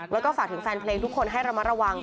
แล้วก็ฝากถึงแฟนเพลงทุกคนให้ระมัดระวัง